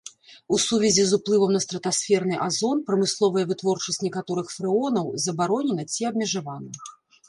У сувязі з уплывам на стратасферны азон прамысловая вытворчасць некаторых фрэонаў забаронена ці абмежавана.